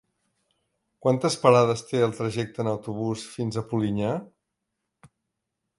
Quantes parades té el trajecte en autobús fins a Polinyà?